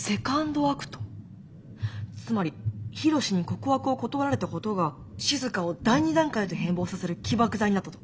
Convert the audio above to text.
つまりヒロシに告白を断られたことがしずかを第二段階へと変貌させる起爆剤になったと？